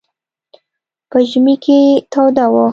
په ژمي کې توده وه.